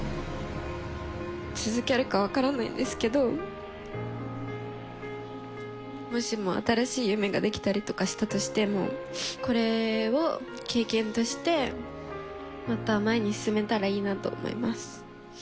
続けるか分からないんですけど、もしも新しい夢が出来たりとかしたとしても、これを経験として、また前に進めたらいいなと思います。